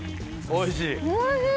おいしい？